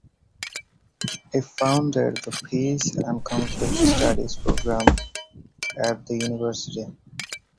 He founded the Peace and Conflict Studies Program at the University.